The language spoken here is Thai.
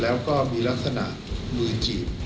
แล้วก็มีลักษณะมือจีบ